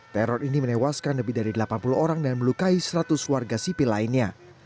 teror ini menewaskan lebih dari delapan puluh orang dan melukai seratus warga sipil lainnya